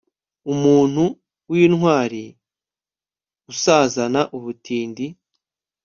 umuntu w'intwari usazana ubutindi